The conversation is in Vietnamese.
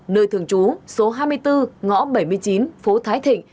nơi thường trú số hai mươi bốn ngõ bảy mươi chín phố thái thịnh